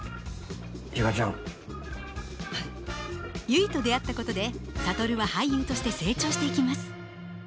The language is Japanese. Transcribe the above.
結と出会ったことで諭は俳優として成長していきます。